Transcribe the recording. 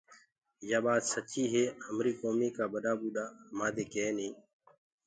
يآ ٻآت سچيٚ هي همريٚ ڪوميٚ ڪآ ٻڏآ ٻوٚڏآ همانٚدي ڪينيٚ۔